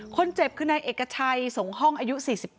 คนเจ็บคือนายเอกชัยสงห้องอายุ๔๘